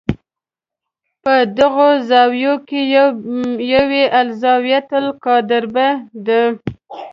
په دغو زاویو کې یوه یې الزاویة القادربه ده.